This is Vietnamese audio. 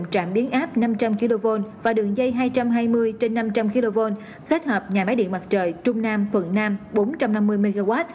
trạm biến áp năm trăm linh kv và đường dây hai trăm hai mươi kv kết hợp với nhà máy điện mặt trời trung nam thuận nam bốn trăm năm mươi mw